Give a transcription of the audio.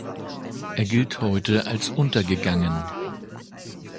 Er gilt heute als untergegangen.